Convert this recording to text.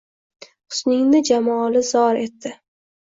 Husningni jamoli zor etdi